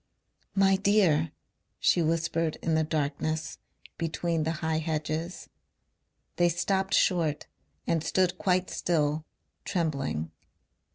"My dear," she whispered in the darkness between the high hedges. They stopped short and stood quite still, trembling.